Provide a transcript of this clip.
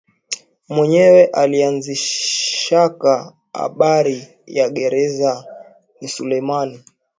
Mwenyewe alianzishaka abari ya gereza ni sulemani